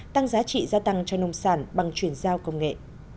tăng giá trị gia tăng cho nông sản bằng chuyển giao công nghệ